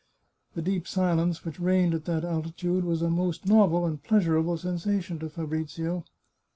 The deep silence which reigned at that altitude was a most novel and pleasurable sensation to Fabrizio.